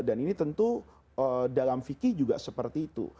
dan ini tentu dalam fikir juga seperti itu